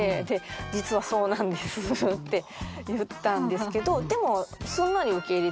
「実はそうなんです」って言ったんですけどでもへえ！